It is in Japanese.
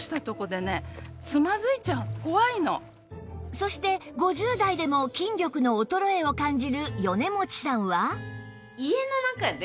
そして５０代でも筋力の衰えを感じる米持さんは？